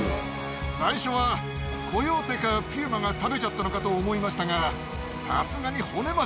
最初はコヨーテかピューマが食べちゃったのかと思いましたが。